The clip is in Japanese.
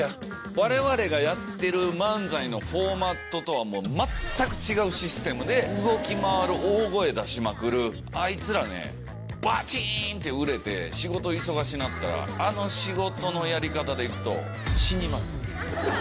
われわれがやってる漫才のフォーマットとは、もう全く違うシステムで動き回る、大声出しまくる、あいつらね、ばちーんって売れて仕事忙しなったら、あの仕事のやり方でいくと、死にます。